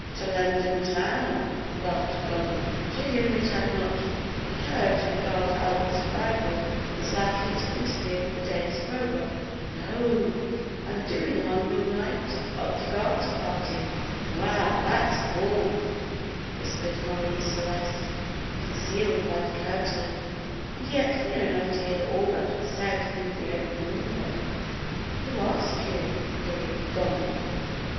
"To London Town," laughed Donald, to whom it had not occurred to regard Albert's arrival as likely to interfere with the day's programme. "No; I'm doin' on your Knight of de Garter party." "Well, that's cool," whispered Marie Celeste, concealed by the curtain, and yet near enough to hear all that was said through the open window. "Who asked you?" queried Donald.